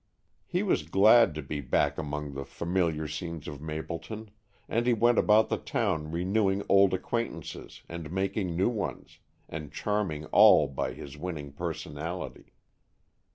He was glad to be back among the familiar scenes of Mapleton, and he went about the town renewing old acquaintances and making new ones, and charming all by his winning personality.